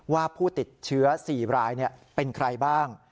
ว่าผู้ติดเชื้อ๔รายเป็นใครบ้าง